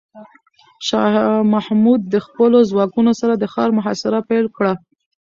شاه محمود د خپلو ځواکونو سره د ښار محاصره پیل کړه.